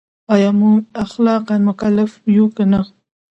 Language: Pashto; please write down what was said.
ایا موږ اخلاقاً مکلف یو که نه؟